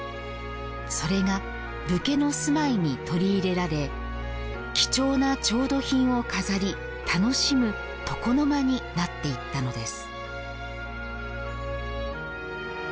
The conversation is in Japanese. それが武家の住まいに取り入れられ貴重な調度品を飾り、楽しむ床の間になっていったのです。